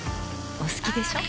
お好きでしょ。